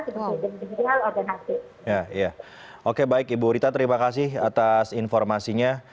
seperti geng jeng jeng jeng jeng organ asik ya ya oke baik ibu rita terima kasih atas informasinya